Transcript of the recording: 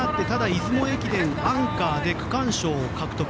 出雲駅伝アンカーで区間賞を獲得。